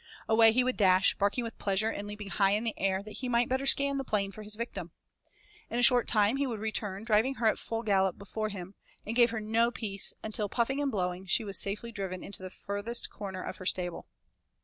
Away he would dash, barking with pleasure and leaping high in the air that he might better scan the plain for his victim. In a short time he would return driving her at full gallop before him, and gave her no peace until, puffing and blowing, she was safely driven into the farthest corner of her stable.